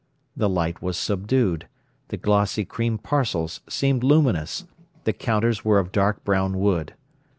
The light was subdued, the glossy cream parcels seemed luminous, the counters were of dark brown wood.